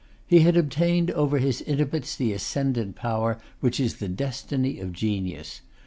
He had obtained over his intimates the ascendant power, which is the destiny of genius.